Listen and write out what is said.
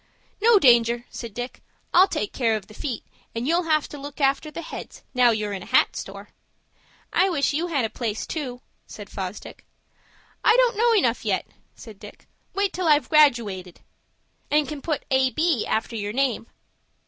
"No danger," said Dick; "I'll take care of the feet, and you'll have to look after the heads, now you're in a hat store." "I wish you had a place too," said Fosdick. "I don't know enough yet," said Dick. "Wait till I've gradooated." "And can put A.B. after your name."